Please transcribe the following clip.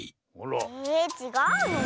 えちがうの？